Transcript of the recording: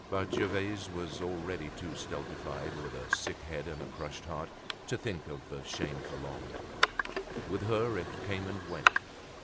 But Gervaise was already too stultified with a sick head and a crushed heart, to think of the shame for long. With her it came and went.